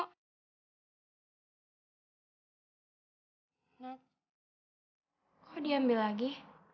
kok diambil lagi